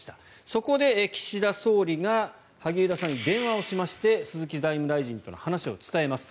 そこで岸田総理が萩生田さんに電話をしまして鈴木財務大臣との話を伝えます。